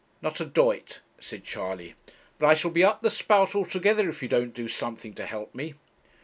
'Not a doit,' said Charley; 'but I shall be up the spout altogether if you don't do something to help me.'